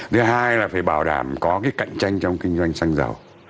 thứ hai là phải bảo đảm có cái cạnh tranh trong kinh doanh xăng dầu